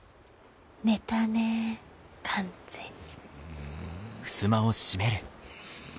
寝たね完全に。